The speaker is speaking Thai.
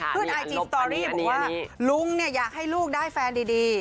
ไอจีสตอรี่บอกว่าลุงเนี่ยอยากให้ลูกได้แฟนดี